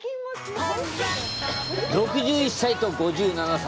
６１歳と５７歳。